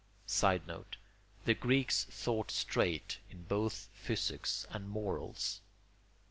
[Sidenote: The Greeks thought straight in both physics and morals.